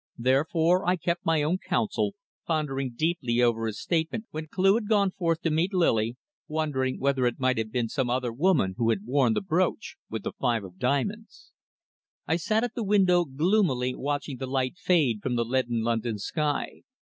Therefore I kept my own counsel, pondering deeply over his statement when Cleugh had gone forth to meet Lily, wondering whether it might have been some other woman who had worn the brooch with the five of diamonds. I sat at the window gloomily watching the light fade from the leaden London sky.